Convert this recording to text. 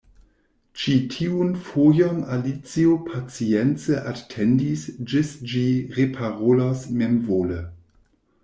Ĉi tiun fojon Alicio pacience atendis ĝis ĝi reparolos memvole.